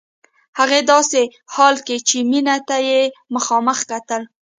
هغه داسې حال کې چې مينې ته يې مخامخ کتل.